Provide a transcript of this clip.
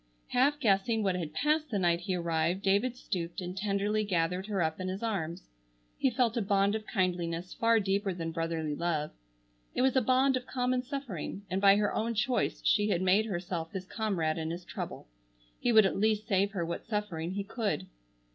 Half guessing what had passed the night he arrived, David stooped and tenderly gathered her up in his arms. He felt a bond of kindliness far deeper than brotherly love. It was a bond of common suffering, and by her own choice she had made herself his comrade in his trouble. He would at least save her what suffering he could.